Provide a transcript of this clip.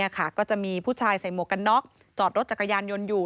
ก็จะมีผู้ชายใส่หมวกกันน็อกจอดรถจักรยานยนต์อยู่